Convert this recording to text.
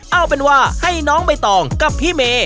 เอาเป็นว่าให้น้องใบตองกับพี่เมย์